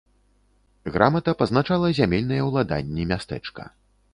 Грамата пазначала зямельныя ўладанні мястэчка.